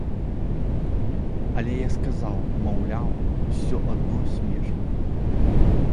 Але я сказаў, маўляў, усё адно смешна.